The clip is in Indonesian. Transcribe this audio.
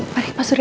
mari mas surya